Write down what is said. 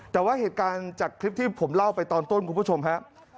แต่ว่าเหตุการณ์จากคลิปที่ผมเล่าไปตอนต้นคุณผู้ชมครับ